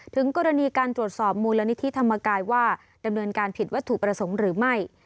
ถึงกรณีการตรวจสอบมูลนิธิธรรมกายว่าดำเนินการผิดวัตถุประสงค์หรือไม่